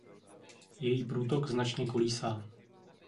Její průtok značně kolísá.